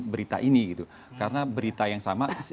berita ini gitu karena berita yang sama